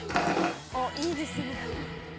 「おっいいですね」